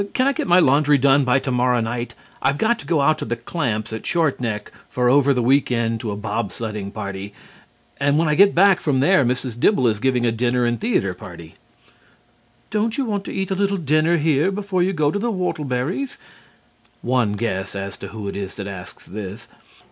Can I get my laundry done by tomorrow night? I've got to go out to the Clamps' at Short Neck for over the week end to a bob sledding party, and when I get back from there Mrs. Dibble is giving a dinner and theatre party." "Don't you want to eat a little dinner here before you go to the Whortleberry's?" (One guess as to who it is that asks this.)